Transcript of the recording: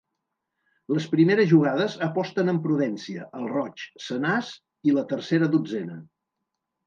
Les primeres jugades aposten amb prudència, al roig, senars i la tercera dotzena.